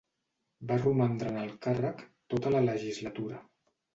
Va romandre en el càrrec tota la Legislatura.